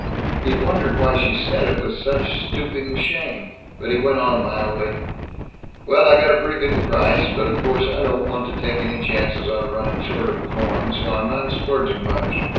He wondered why she said it with such stooping shame, but he went on mildly, "Well, I got a pretty good price, but of course I don't want to take any chances on running short of coin, so I'm not splurging much.